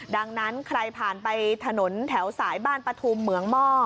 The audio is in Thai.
ดังนั้นใครผ่านไปถนนแถวสายบ้านปฐุมเหมืองหม้อ